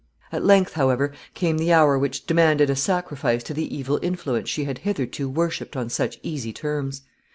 At length, however, came the hour which demanded a sacrifice to the evil influence she had hitherto worshipped on such easy terms.